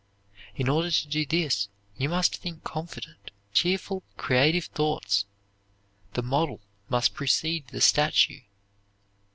In order to do this you must think confident, cheerful, creative thoughts. The model must precede the statue.